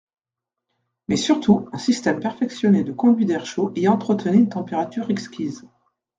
Mais surtout un système perfectionné de conduits d’air chaud y entretenait une température exquise.